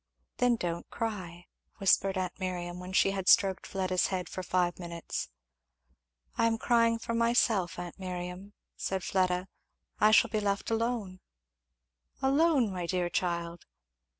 "Then don't cry," whispered aunt Miriam, when she had stroked Fleda's head for five minutes. "I am crying for myself, aunt Miriam," said Fleda. "I shall be left alone." "Alone, my dear child?"